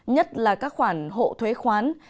nhất là các khoản hộ thuế khoán